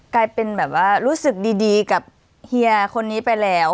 กลายเป็นแบบว่ารู้สึกดีกับเฮียคนนี้ไปแล้ว